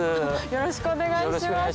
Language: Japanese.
よろしくお願いします。